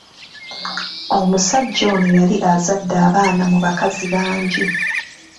Omusajja ono yali azadde abaana mu bakazi bangi.